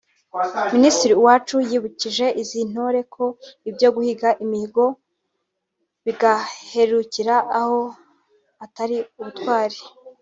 Minisitiri Uwacu yibukije izi ntore ko ibyo guhiga imihigo bigaherukira aho atari ubutwari